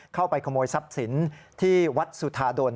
เข้าไปขโมยทรัพย์สินที่วัดสุธาดล